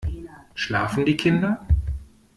Schlafen die Kinder?